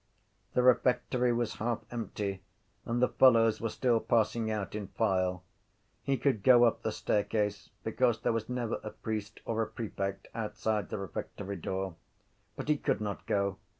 The refectory was half empty and the fellows were still passing out in file. He could go up the staircase because there was never a priest or a prefect outside the refectory door. But he could not go.